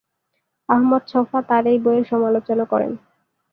আহমদ ছফা তার এই বইয়ের সমালোচনা করেন।